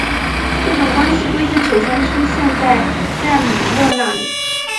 这种关系规定首先出现在塞姆勒那里。